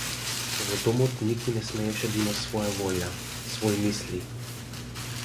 Во домот никој не смееше да има своја волја, свои мисли.